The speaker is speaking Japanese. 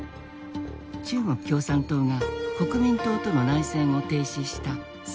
中国共産党が国民党との内戦を停止した西安事件。